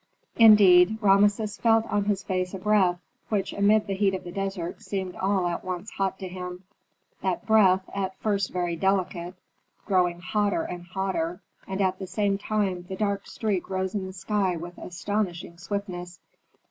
Indeed, Rameses felt on his face a breath, which amid the heat of the desert seemed all at once hot to him. That breath, at first very delicate, increased, growing hotter and hotter, and at the same time the dark streak rose in the sky with astonishing swiftness.